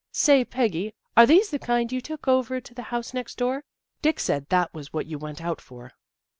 " Say, Peggy, are these the kind you took over to the house next door? Dick said that was what you went out for."